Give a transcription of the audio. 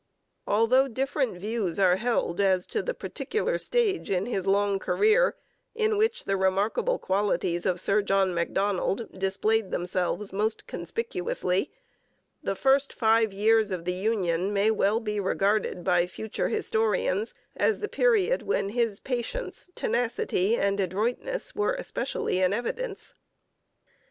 Although different views are held as to the particular stage in his long career in which the remarkable qualities of Sir John Macdonald displayed themselves most conspicuously, the first five years of the union may well be regarded by future historians as the period when his patience, tenacity, and adroitness were especially in evidence.